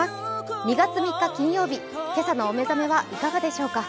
２月３日金曜日、今朝のお目覚めはいかがでしょうか。